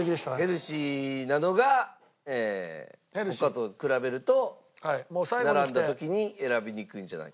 ヘルシーなのが他と比べると並んだ時に選びにくいんじゃないかと。